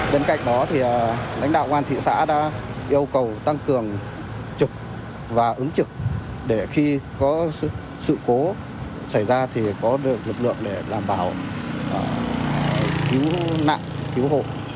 bên cạnh đó thì lãnh đạo công an thị xã đã yêu cầu tăng cường trực và ứng trực để khi có sự cố xảy ra thì có được lực lượng để đảm bảo cứu nạn cứu hộ